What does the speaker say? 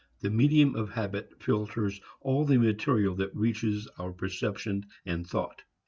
The medium of habit filters all the material that reaches our perception and thought.